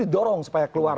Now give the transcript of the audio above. didorong supaya keluar